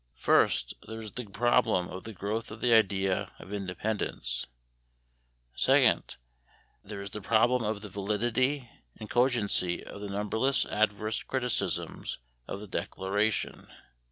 First, there is the problem of the growth of the idea of independence; second, there is the problem of the validity and cogency of the numberless adverse criticisms of the Declaration.